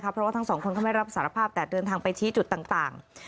เพราะว่าทั้งสองคนก็ไม่รับสารภาพแต่เดินทางไปชี้จุดต่าง